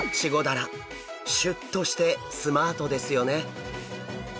シュッとしてスマートですよね。